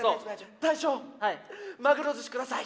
大将マグロ寿司下さい。